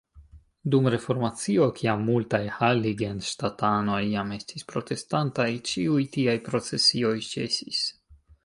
Dum Reformacio, kiam multaj heiligenstadt-anoj jam estis protestantaj, ĉiuj tiaj procesioj ĉesis.